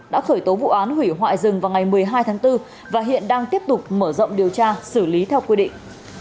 đã khởi tố vụ án hủy hoại rừng vào ngày một mươi hai tháng bốn và hiện đang tiếp tục mở rộng điều tra xử lý theo quy định